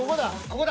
ここだ。